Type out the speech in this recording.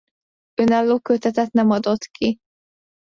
Önálló kötetet nem adott ki.